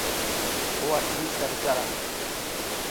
Hoa tximista bezala!